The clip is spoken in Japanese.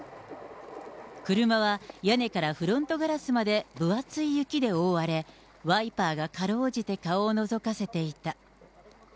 車は屋根からフロントガラスまで分厚い雪で覆われ、ワイパーがかろうじて顔をのぞかせていた。